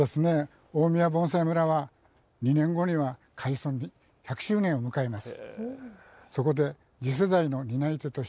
大宮盆栽村は２年後には１００周年を迎えます。